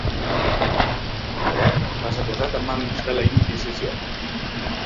Llavors va ser posat en mans de la Inquisició.